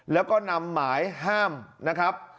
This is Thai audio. แล้วก็นำหมายห้ามนะครับ